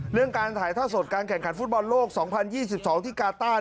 เรื่องการถ่ายท่าสดการแข่งขันฟุตบอลโลกสองพันยี่สิบสองที่กาต้า